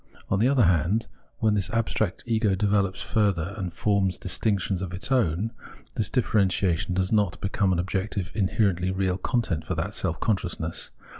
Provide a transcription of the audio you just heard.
On the other hand, when this abstract ego develops further and forms distinctions of its own, this differentiation does not become an objective inherently real content for that self consciousness.